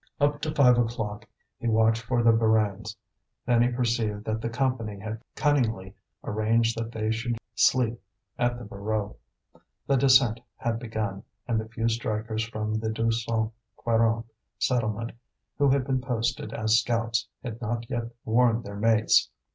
Up to five o'clock he watched for the Borains. Then he perceived that the Company had cunningly arranged that they should sleep at the Voreux. The descent had begun, and the few strikers from the Deux Cent Quarante settlement who had been posted as scouts had not yet warned their mates.